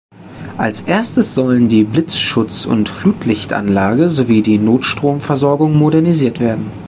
Als erstes sollen die Blitzschutz- und Flutlichtanlage sowie die Notstromversorgung modernisiert werden.